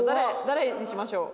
誰にしましょう？